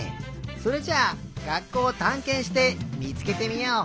それじゃあがっこうをたんけんしてみつけてみよう！